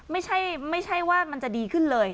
ไม่ใช่ว่ามันจะดีขึ้นเลย